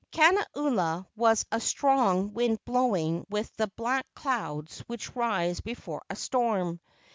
Kana ula was a strong wind blowing with the black clouds which rise before a storm.